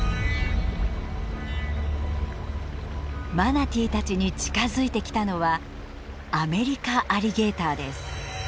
マナティーたちに近づいてきたのはアメリカアリゲーターです。